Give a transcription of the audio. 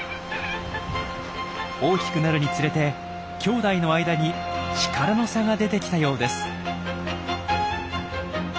大きくなるにつれてきょうだいの間に力の差が出てきたようです。